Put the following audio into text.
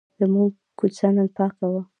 زموږ کوڅه نن پاکه وه.